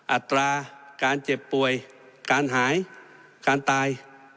อัตราการเจ็บป่วยการหายการตาย